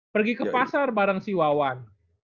pergi ke pasar bareng si wawan